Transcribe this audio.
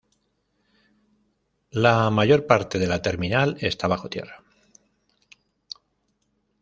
La mayor parte de la terminal está bajo tierra.